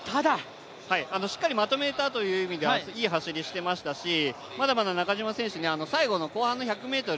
しっかりまとめたという意味ではいい走りしていましたしまだまだ中島選手、最後の後半の１００ｍ